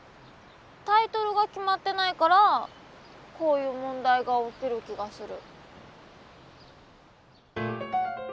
タイトルが決まってないからこういう問題が起きる気がする。